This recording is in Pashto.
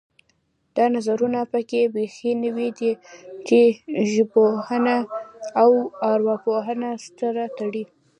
دا نظرونه پکې بیخي نوي دي چې ژبپوهنه او ارواپوهنه سره تړي